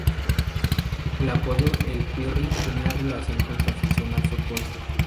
El apodo de "El Pirri" tenía relación con su afición al fútbol.